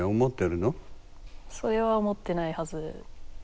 それは思ってないはず。